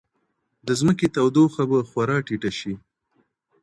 د ځمکې تودوخه به خورا ټیټه شي.